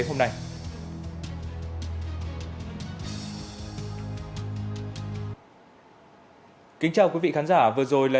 xin chào quý vị khán giả